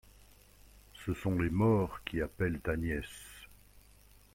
Ce sont les morts qui appellent ta nièce.